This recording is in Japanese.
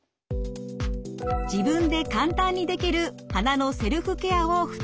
自分で簡単にできる鼻のセルフケアを２つご紹介。